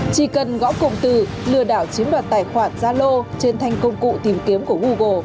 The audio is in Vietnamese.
chỉ cần gõ cụm từ lừa đảo chiếm đoạt tài khoản zalo trên thành công cụ tìm kiếm của google